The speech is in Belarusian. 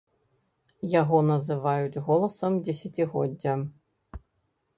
Яго называюць голасам дзесяцігоддзя.